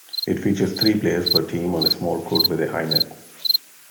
It features three players per team on a small court with a high net.